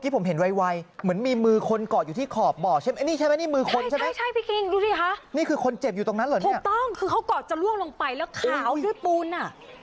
คือเขากอดจะล่วงลงไปแล้วขาวด้วยปูนน่ะ